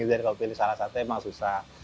jadi kalau pilih salah satu memang susah